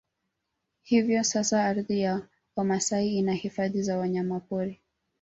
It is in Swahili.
Hivyo sasa ardhi ya Wamasai ina Hifadhi za Wanyamapori